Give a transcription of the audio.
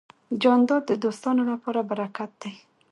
جانداد د دوستانو لپاره برکت دی.